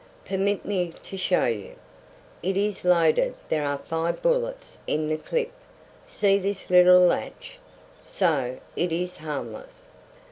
"Permit me to show you. It is loaded; there are five bullets in the clip. See this little latch? So, it is harmless.